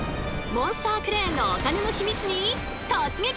モンスタークレーンのお金のヒミツに突撃！